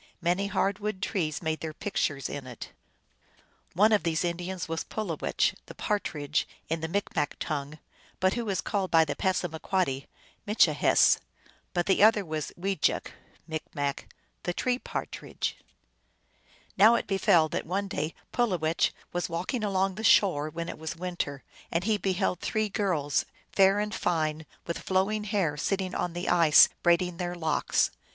Many hard wood trees made their pictures in it. One of these Indians was Pulowech, the Partridge in the Micmac tongue, but who is called by the Passamaquoddy Mitchihess ; but the other was Wejek (M.), the Tree Partridge. Now it befell that one day Pulowech was walking along the shore, when it was winter, and he beheld three girls, fair and fine, with flowing hair, sitting on the ice braiding their locks.